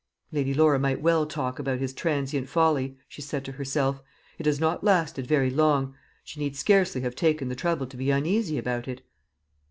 "Lady Laura might well talk about his transient folly," she said to herself. "It has not lasted very long. She need scarcely have taken the trouble to be uneasy about it."